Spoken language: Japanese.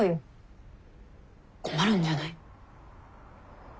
困るんじゃない？